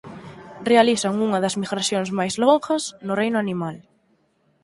Realizan unha das migracións máis longas no reino animal.